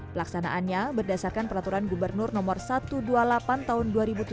pelaksanaannya berdasarkan peraturan gubernur no satu ratus dua puluh delapan tahun dua ribu tujuh belas